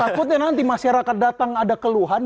takutnya nanti masyarakat datang ada keluhan